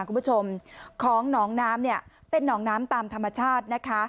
คุณผู้ชมของหนองน้ำเนี่ยเป็นหนองน้ำตามธรรมชาตินะคะ